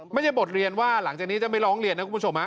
ไม่ใช่บทเรียนว่าหลังจากนี้จะไม่ร้องเรียนนะคุณผู้ชม